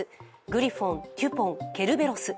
グリフォン・テュポンケルベロス。